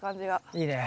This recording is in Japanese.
いいね。